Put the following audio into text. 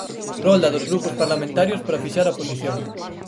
Rolda dos grupos parlamentarios para fixar a posición.